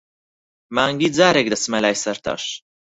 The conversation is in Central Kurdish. مانگی جارێک، دەچمە لای سەرتاش.